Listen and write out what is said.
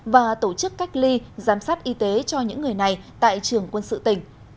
và tổ chức cách ly giám sát y tế cho những người này tại trường quân sự tỉnh